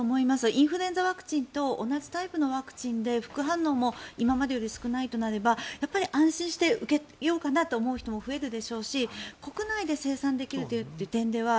インフルエンザワクチンと同じタイプのワクチンで副反応も今までより少ないとなれば安心して受けようかなと思う人も増えるでしょうし国内で生産できるという点では